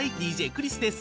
ＤＪクリスです。